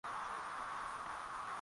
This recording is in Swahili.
hadi mwaka elfu moja mia tisa na saba